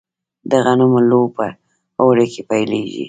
د غنمو لو په اوړي کې پیلیږي.